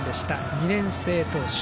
２年生投手。